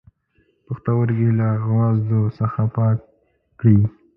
پښتورګی له وازدو څخه پاک کړئ.